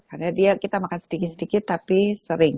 karena dia kita makan sedikit sedikit tapi sering